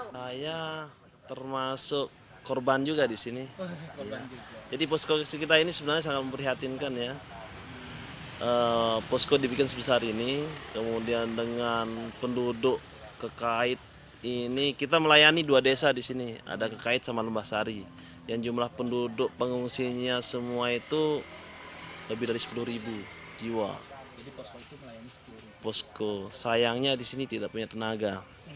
lebih dari sepuluh ribu jiwa posko sayangnya disini tidak punya tenaga